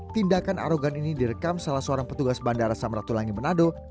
tindakan arogan ini direkam salah seorang petugas bandara samratulangi manado